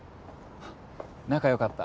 仲良かった？